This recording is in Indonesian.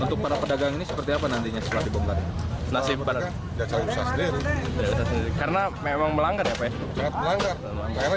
empat puluh untuk para pedagang ini seperti apa nantinya setelah dibongkar nasib karena memang melanggar